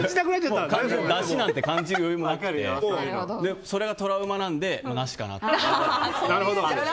だしなんて感じる余裕もなくてそれがトラウマなのでなしかなって。